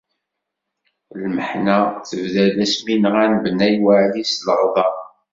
Lmeḥna tebda-d asmi nɣan Bennay Weεli s leɣḍer.